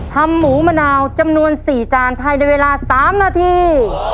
ทำหมูมะนาวจำนวน๔จานภายในเวลา๓นาที